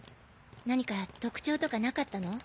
何か特徴とかなかったの？